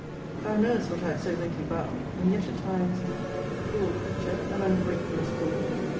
Thou knowest what I have so lately vowed and yet, at times [cruel creature, and ungrateful as cruel!